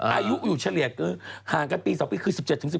อายุอยู่เฉลี่ยคือห่างกันปี๒ปีคือ๑๗๑๑